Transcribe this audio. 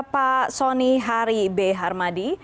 pak soni hari b harmadi